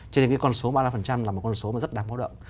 cho nên cái con số ba mươi năm là một con số mà rất đáng báo động